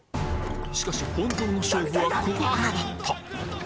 しかし本当の勝負はここからだった